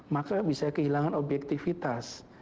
maka bisa kehilangan objektivitas